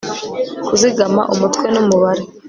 Kuzigama umutwe numubare